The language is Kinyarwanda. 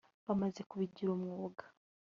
bamaze kubigira umwuga